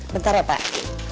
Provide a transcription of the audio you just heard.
bentar ya pak